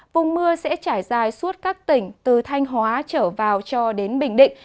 vùng mưa sẽ trải dài suốt các tỉnh từ thanh hóa trở vào cho đến bình định